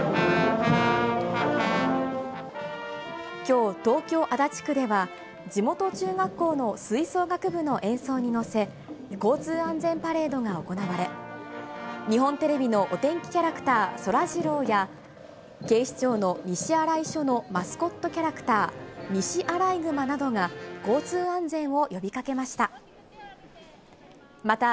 きょう、東京・足立区では、地元中学校の吹奏楽部の演奏に乗せ、交通安全パレードが行われ、日本テレビのお天気キャラクター、そらジローや、警視庁の西新井署のマスコットキャラクター、にしあらいぐまなどが、交通安全を呼びかけました。